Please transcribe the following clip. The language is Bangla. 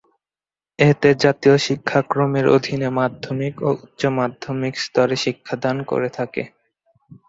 এতে জাতীয় শিক্ষাক্রমের অধীনে মাধ্যমিক ও উচ্চ মাধ্যমিক স্তরে শিক্ষাদান করে থাকে।